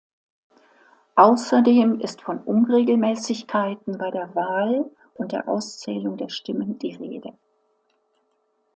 Außerdem ist von Unregelmäßigkeiten bei der Wahl und der Auszählung der Stimmen die Rede.